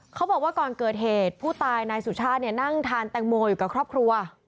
เขาบอกว่าก่อนเกิดเหตุผู้ตายนายสุชาติเนี่ยนั่งทานแตงโมอยู่กับครอบครัว